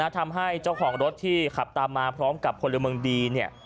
นะทำให้เจ้าของรถที่ขับตามมาพร้อมกับคนเรียนเมืองดีเนี่ย